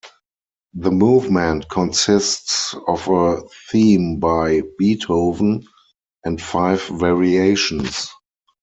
The movement consists of a theme by Beethoven and five variations.